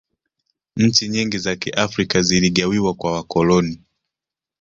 nchi nyingi za kiafrika ziligawiwa kwa wakoloni